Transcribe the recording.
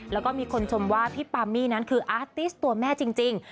แล้วก็มีคนชมว่าพี่ปามี่นั้นคืออาร์ติสตัวแม่จริง